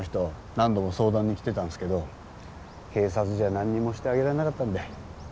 何度も相談に来てたんすけど警察じゃ何にもしてあげられなかったんで。